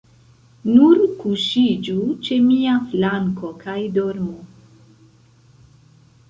Nur kuŝiĝu ĉe mia flanko kaj dormu.